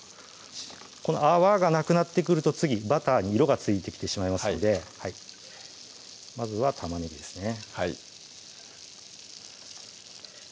この泡がなくなってくると次バターに色がついてきてしまいますのでまずは玉ねぎですね